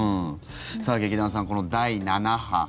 劇団さん、この第７波